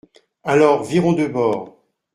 Alors virons de bord.